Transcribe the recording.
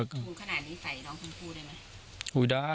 สูงตัวขนาดนี้ใส่น้องชมพูได้มั้ย